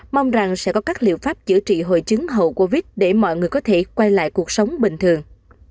mong rằng sẽ có các liệu pháp chữa trị hội chứng hậu covid một mươi chín để mọi người có thể quay lại cuộc sống bình thường